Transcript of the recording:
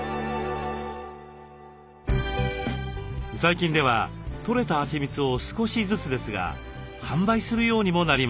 最近ではとれたはちみつを少しずつですが販売するようにもなりました。